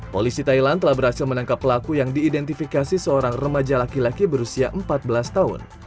polisi thailand telah berhasil menangkap pelaku yang diidentifikasi seorang remaja laki laki berusia empat belas tahun